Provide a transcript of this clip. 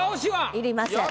要りません。